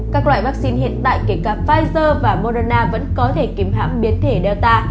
các loại vaccine hiện tại kể cả pfizer và moderna vẫn có thể kiếm hãm biến thể delta